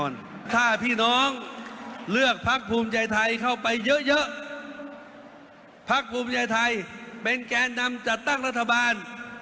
และผมจะเป็นหน่ายก